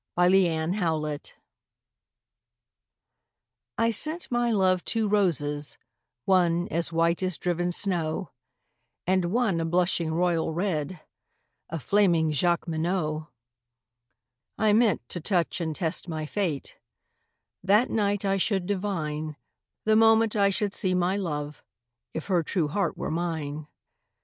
The White Flag I sent my love two roses, one As white as driven snow, And one a blushing royal red, A flaming Jacqueminot. I meant to touch and test my fate; That night I should divine, The moment I should see my love, If her true heart were mine.